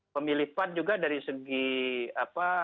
pemilih pan juga dari segi apa